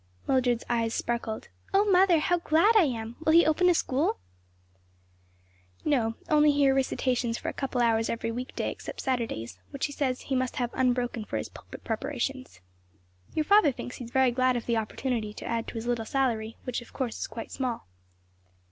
Mildred's eyes sparkled. "O mother, how glad I am! Will he open a school?" "No; only hear recitations for a couple of hours every week day except Saturdays, which he says he must have unbroken for his pulpit preparations. "Your father thinks he is very glad of the opportunity to add a little to his salary; which, of course, is quite small."